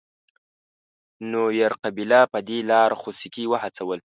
نوير قبیله په دې لار خوسکي وهڅول.